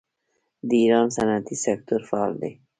د ایران صنعتي سکتور فعال دی.